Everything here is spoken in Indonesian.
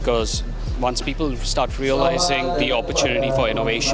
karena setelah orang orang mulai mengenalpasti kesempatan untuk inovasi